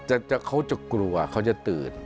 อันนี้เขาจะกลัวเขาจะตื่น